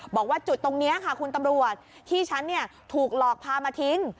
บอกว่าจุดตรงนี้ค่ะคุณตำรวจที่ฉันถูกหลอกพามาทิ้ง